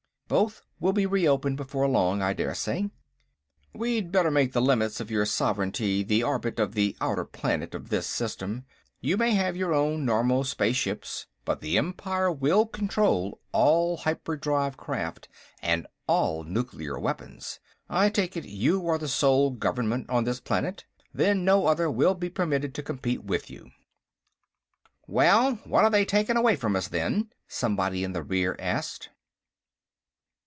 "Both will be reopened before long, I daresay. We'd better make the limits of your sovereignty the orbit of the outer planet of this system. You may have your own normal space ships, but the Empire will control all hyperdrive craft, and all nuclear weapons. I take it you are the sole government on this planet? Then no other will be permitted to compete with you." "Well, what are they taking away from us, then?" somebody in the rear asked.